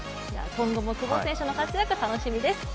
今後も久保選手の活躍、楽しみです。